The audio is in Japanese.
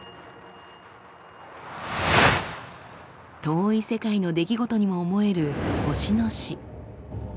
遠い世界の出来事にも思える星の死。